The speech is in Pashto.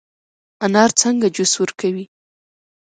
انار څنګه جوس ورکوي؟